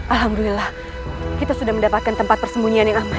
alhamdulillah kita sudah mendapatkan tempat persembunyian yang aman